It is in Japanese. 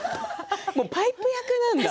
パイプ役なんだ。